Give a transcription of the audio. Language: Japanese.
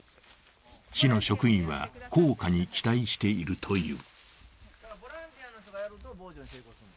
市の職員は、効果に期待しているという。